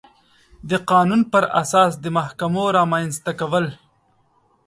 د قانون پر اساس د محاکمو رامنځ ته کول